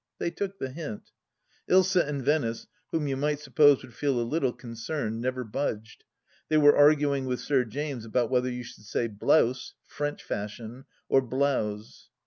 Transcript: They took the hint. Ilsa and Venice, whom you might suppose would feel a little concerned, never budged — ^they were arguing with Sir James about whether you should say blouse, French fashion, or blowze.